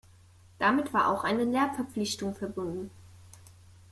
Damit war auch eine Lehrverpflichtung verbunden.